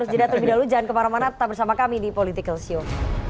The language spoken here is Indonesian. jangan kemana mana tetap bersama kami di political show